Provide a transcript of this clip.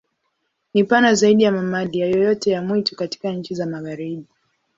Ni pana zaidi ya mamalia yoyote ya mwitu katika nchi za Magharibi.